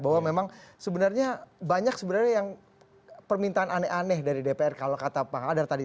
bahwa memang sebenarnya banyak sebenarnya yang permintaan aneh aneh dari dpr kalau kata pak hadar tadi